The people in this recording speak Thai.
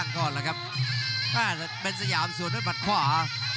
กรุงฝาพัดจินด้า